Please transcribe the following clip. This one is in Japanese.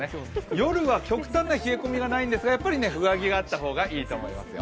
夜は極端な冷え込みはないんですがやっぱり上着はあった方がいいと思いますよ。